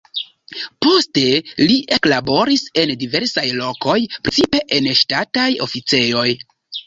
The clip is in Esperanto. Poste li eklaboris en diversaj lokoj, precipe en ŝtataj oficejoj.